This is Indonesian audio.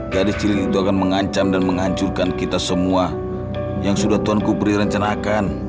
gadis cilik itu akan mengancam dan menghancurkan kita semua yang sudah tuanku pri rencanakan